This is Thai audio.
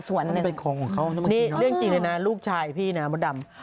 ส่วนหนึ่งนี่เรื่องจริงเลยนะลูกชายพี่นะมด่ำ